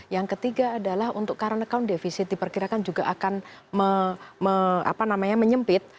yang ketiga adalah untuk karena account defisit diperkirakan juga akan menyempit